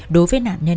đối với nạn nhân